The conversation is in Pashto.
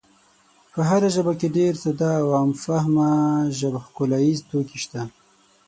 په هره ژبه کې ډېر ساده او عام فهمه ژب ښکلاییز توکي شته.